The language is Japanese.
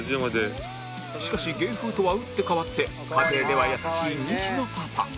しかし芸風とは打って変わって家庭では優しい２児のパパ